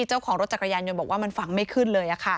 เจ้าของรถจักรยานยนต์บอกว่ามันฟังไม่ขึ้นเลย